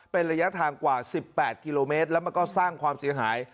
เป็นระยะทางกว่า๑๘กิโลเมตรแล้วมันก็สร้างความเสียหาย